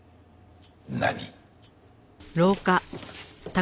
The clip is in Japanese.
何？